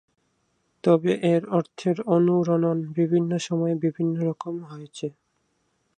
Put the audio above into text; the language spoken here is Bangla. তবে এর অর্থের অনুরণন বিভিন্ন সময়ে বিভিন্ন রকম হয়েছে।